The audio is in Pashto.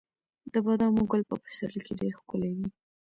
د بادامو ګل په پسرلي کې ډیر ښکلی وي.